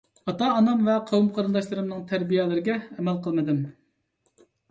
ئاتا - ئانام ۋە قوۋم - قېرىنداشلىرىمنىڭ تەربىيەلىرىگە ئەمەل قىلمىدىم.